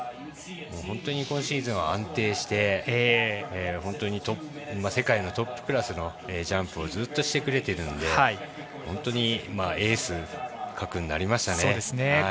本当に今シーズンは安定して世界のトップクラスのジャンプをずっとしてくれているので本当にエース核になりましたね。